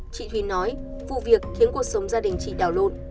chị thúy nói vụ việc khiến cuộc sống gia đình chị đào lộn